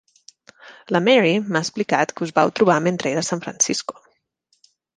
La Mary m'ha explicat que us vau trobar mentre era a San Francisco.